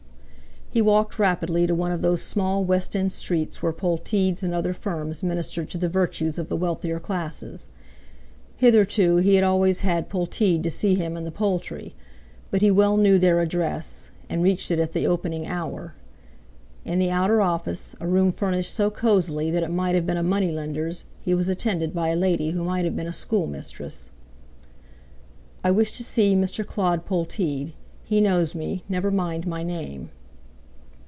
He walked rapidly to one of those small West End streets where Polteed's and other firms ministered to the virtues of the wealthier classes. Hitherto he had always had Polteed to see him in the Poultry; but he well knew their address, and reached it at the opening hour. In the outer office, a room furnished so cosily that it might have been a money lender's, he was attended by a lady who might have been a schoolmistress. "I wish to see Mr. Claud Polteed. He knows me—never mind my name."